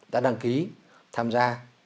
đã đăng ký tham gia